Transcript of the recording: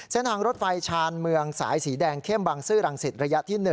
เส้นทางรถไฟชาญเมืองสายสีแดงเข้มบังซื้อรังสิตระยะที่๑